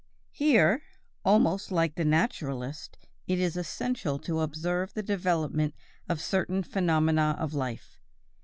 Here, almost like the naturalist, it is essential to observe the development of certain phenomena of life.